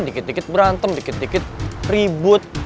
dikit dikit berantem dikit dikit ribut